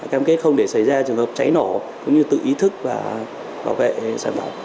cam kết không để xảy ra trường hợp cháy nổ cũng như tự ý thức và bảo vệ sản phẩm